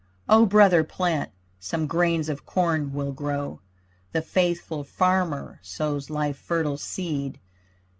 O brother plant, some grains of corn will grow! The faithful farmer sows live fertile seed.